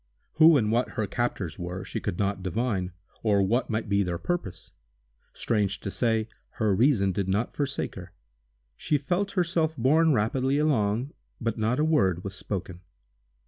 Who and what her captors were, she could not divine, or what might be their purpose. Strange to say, her reason did not forsake her. She felt herself borne rapidly along, but not a word was spoken.